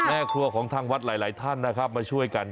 แม่ครัวของทางวัดหลายท่านนะครับมาช่วยกัน